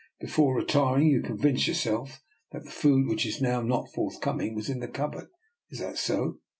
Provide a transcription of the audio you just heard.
Before retiring you convinced yourself that the food which is now not forthcoming was in the cupboard. Is that so?"